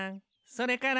「それから」